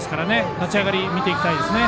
立ち上がり見ていきたいですね。